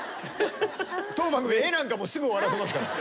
当番組絵なんかすぐ終わらせますから。